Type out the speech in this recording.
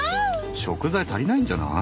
食材足りないんじゃない？